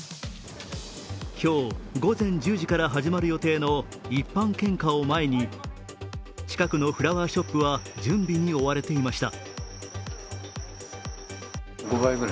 今日午前１０時から始まる予定の一般献花を前に、近くのフラワーショップは準備に追われていました。